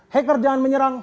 hacker jangan menyerang